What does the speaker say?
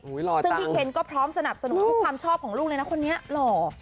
ซึ่งพี่เคนก็พร้อมสนับสนุนความชอบของลูกเลยนะคนนี้หล่อ